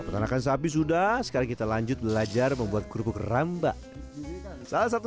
peternakan sapi sudah sekarang kita lanjut belajar membuat kerupuk ramba salah satu